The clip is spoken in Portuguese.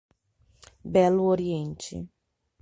Belo Oriente